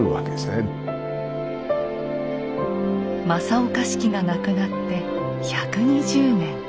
正岡子規が亡くなって１２０年。